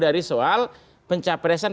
dari soal pencapresan